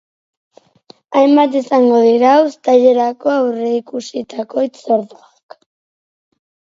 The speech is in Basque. Hainbat izango dira uztailerako aurreikusitako hitzorduak.